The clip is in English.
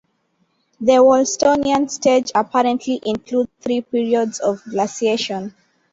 The Wolstonian Stage apparently includes three periods of glaciation.